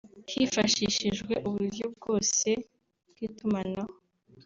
hifashishijwe uburyo bwose bw’itumanaho